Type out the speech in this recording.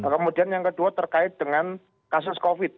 kemudian yang kedua terkait dengan kasus covid